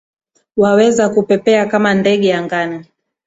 Waweza kupepea kama ndege angani?